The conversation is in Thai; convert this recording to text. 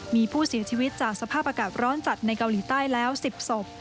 มีผู้เสียชีวิตจากสภาพอากาศร้อนจัดในเกาหลีใต้แล้ว๑๐ศพ